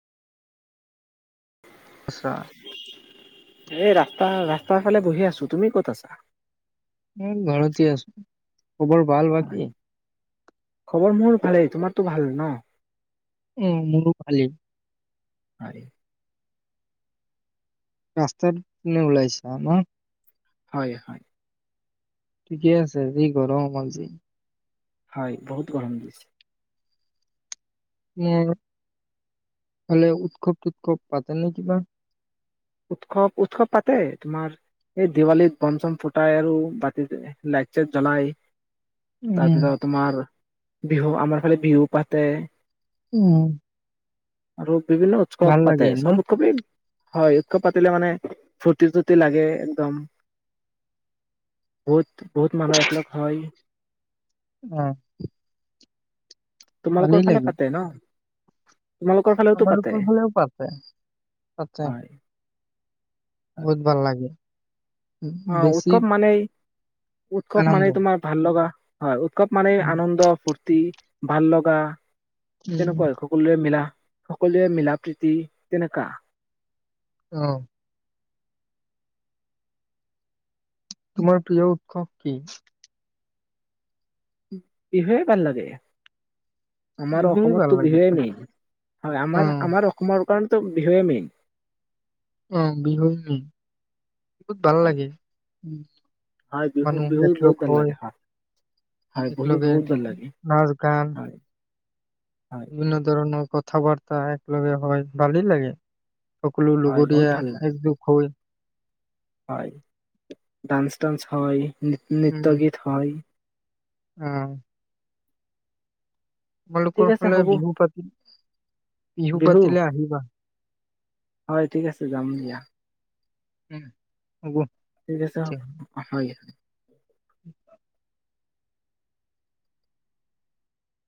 [unintelligible] আচ্ছা। এই ৰাস্তা ৰাস্তাৰ ফালে বহি আছো। তুমি ক'ত আছা? ঘৰতে আছো। খবৰ ভাল হয় বাকী? খবৰ মোৰ ভালেই, তোমাৰতো ভাল ন? অ' মোৰো ভালেই। হয় [unintelligible] ৰাস্তাত এনেই ওলাইছে, আমাৰ হয়, হয়। ঠিকে আছে, যি গৰম হৈছে। হয়। বহুত গৰম দিছে। মোৰ হ'লেও উৎসৱ চুৎসৱ পাতে নে কিবা? উৎসৱ, উৎসৱ পাতে তোমাৰ এই দিৱালীত ব'ম চ'ম ফুটাই আৰু বাকী লাইট জ্বলাই। উম তাৰপিছত তোমাৰ বিহু আমাৰ ফালে বিহু পাতে। উম। আৰু বিভিন্ন উৎসৱ ভাল পাতে। লাগে ন চব উৎসবেই হয়। উৎসৱ পাতিলে মানে ফূৰ্তি চুৰ্তি লাগে একদম। বহুত বহুত মানুহ একলগ হয়। উম। ভালেই তোমালোকৰ ফালে লাগে পাতে ন? তোমালোকৰ ফালেওতো পাতে আমালোকৰ ফালেও পাতে। হয় হয় বহুত ভাল লাগে। উম, অ' বেছি উৎসৱ মানে উৎসৱ আনন্দ মানে তোমাৰ ভাল লগা। হয়। উৎসৱ মানে উম আনন্দ ফূৰ্তি ভাল লগা উম, তেনেকুৱাই খুব সকলোৱে মিলা সকলোৱে মিলা প্ৰীতি তেনেকা। অ'। তোমাৰ প্ৰিয় উৎসৱ কি? বিহুৱেই ভাল লাগে। আমাৰ বিহুৱে ভাল অসমততো লাগে বিহুৱে মাইন। অ আমাৰ আমাৰ অসমৰ কাৰণেতো বিহুৱেই মেইন। অ' বিহু মেইন, বহুত ভাল হয় লাগে। হয় বিহু মানুহ বিহু একলগক বহুত ভাল হয় লাগে হয় বিহু একেলগে বহুত ভাল লাগে নাচ গান হয় হয় বিভিন্ন ধৰণৰ কথা বাৰ্তা একেলগে হয়, ভালেই লাগে। সকলো হয় বহুত ভাল লগৰীয়া লাগে এক গোট হৈ হয়। ডান্স চাঞ্চ হয় ন নৃত্য গীত হয় অ'। ঠিক আমালোকৰ আছে ফালে হ'ব বিহু পাতি বিহু বিহু পাতিলে আহিবা? হয়, ঠিক আছে যাম দিয়া। উম, হ'ব। ঠিক আছে হ'ব, হয়। [inaudible]